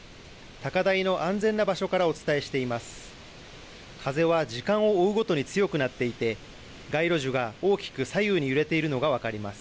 高台の安全な場所からお伝えしています。